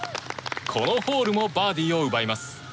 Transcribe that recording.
このホールもバーディーを奪います。